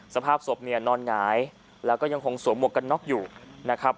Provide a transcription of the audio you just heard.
สภาพศพเนี่ยนอนหงายแล้วก็ยังคงสวมหมวกกันน็อกอยู่นะครับ